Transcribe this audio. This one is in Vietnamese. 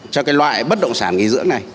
cho cái loại bất động sản nghỉ dưỡng này